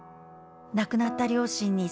「亡くなった両親に」